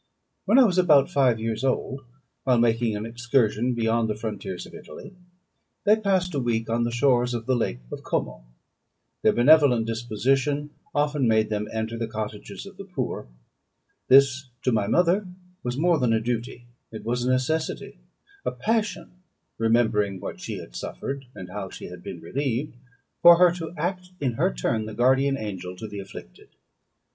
When I was about five years old, while making an excursion beyond the frontiers of Italy, they passed a week on the shores of the Lake of Como. Their benevolent disposition often made them enter the cottages of the poor. This, to my mother, was more than a duty; it was a necessity, a passion, remembering what she had suffered, and how she had been relieved, for her to act in her turn the guardian angel to the afflicted.